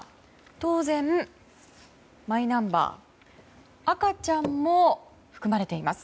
当然、マイナンバー赤ちゃんも含まれています。